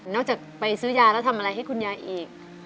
จากไปซื้อยาแล้วทำอะไรให้คุณยายอีก